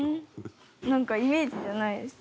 なんかイメージじゃないです。